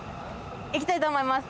行きたいと思います。